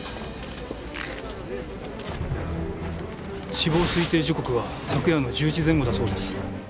死亡推定時刻は昨夜の１０時前後だそうです。